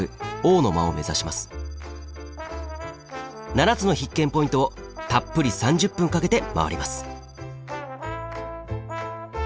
７つの必見ポイントをたっぷり３０分かけてまわります。